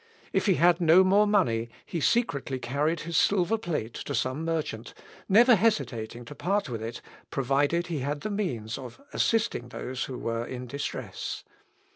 If he had no more money he secretly carried his silver plate to some merchant, never hesitating to part with it, provided he had the means of assisting those who were in distress.